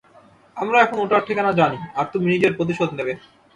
আমরা এখন ওটার ঠিকানা জানি, আর তুমি নিজের প্রতিশোধ নেবে।